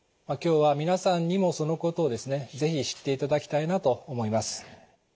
今日は皆さんにもそのことをですね是非知っていただきたいなと思います。